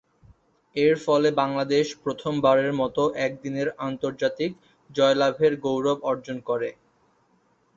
এরফলে বাংলাদেশ প্রথমবারের মতো একদিনের আন্তর্জাতিকে জয়লাভের গৌরব অর্জন করে।